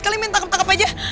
kalian tangkap tangkap aja